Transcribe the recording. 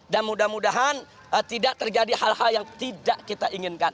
dan mudah mudahan tidak terjadi hal hal yang tidak kita inginkan